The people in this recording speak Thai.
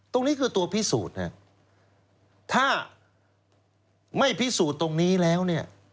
ตรงนี้คือตัวพิสูจน์ถ้าไม่พิสูจน์ตรงนี้แล้วเนี่ย